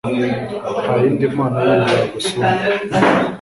nta yindi mana yindi yagusumba